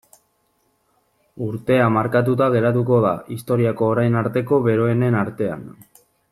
Urtea markatuta geratuko da historiako orain arteko beroenen artean.